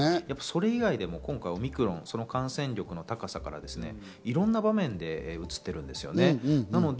それ以外でも今回、オミクロンの感染力の高さからいろんな場面でうつっているんですよね。